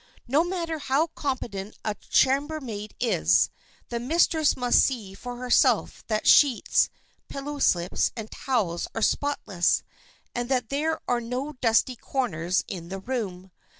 No matter how competent a chambermaid is, the mistress must see for herself that sheets, pillow slips and towels are spotless, and that there are no dusty corners in the room.